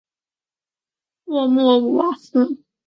沃穆瓦斯。